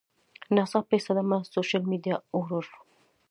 ناڅاپي صدمه ، سوشل میډیا اوور